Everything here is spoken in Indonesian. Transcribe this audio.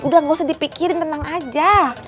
udah gak usah dipikirin tenang aja